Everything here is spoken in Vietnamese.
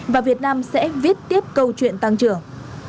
và việt nam sẽ viết tiếp câu chuyện tăng trưởng